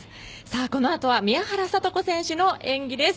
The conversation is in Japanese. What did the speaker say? このあとは宮原知子選手の演技です。